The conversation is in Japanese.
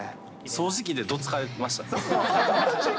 掃除機でどつかれてました。